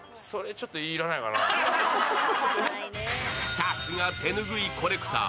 さすが手拭いコレクター。